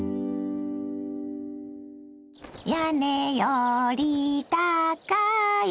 「屋根よりたかい」